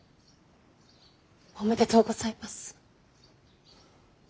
おめでとうございます。